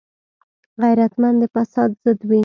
غیرتمند د فساد ضد وي